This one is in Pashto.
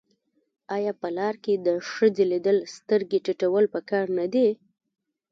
آیا په لار کې د ښځې لیدل سترګې ټیټول پکار نه دي؟